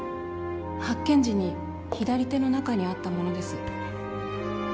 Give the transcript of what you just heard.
発見時に左手の中にあったものです